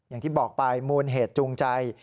อย่างที่บอกไปมูลเหตุจูงใจ